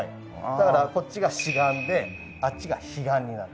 だからこっちが此岸であっちが彼岸になる。